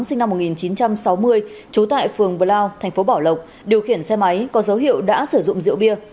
sinh năm một nghìn chín trăm sáu mươi trú tại phường blau thành phố bảo lộc điều khiển xe máy có dấu hiệu đã sử dụng rượu bia